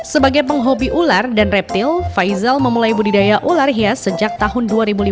sebagai penghobi ular dan reptil faizal memulai budidaya ular hias sejak tahun dua ribu lima belas